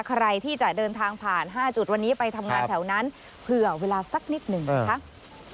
ใครที่จะเดินทางผ่าน๕จุดวันนี้ไปทำงานแถวนั้นเผื่อเวลาสักนิดหนึ่งนะคะ